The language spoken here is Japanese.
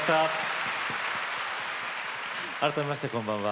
改めましてこんばんは。